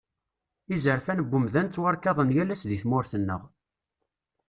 Izerfan n umdan ttwarkaḍen yal ass deg tmurt-nneɣ.